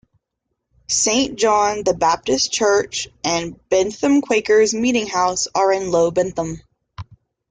Saint John the Baptist Church and Bentham Quakers Meeting House are in Low Bentham.